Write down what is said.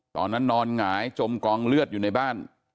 นอนหงายจมกองเลือดอยู่ในบ้าน